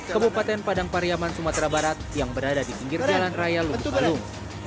kabupaten padang pariaman sumatera barat yang berada di pinggir jalan raya lubuk alum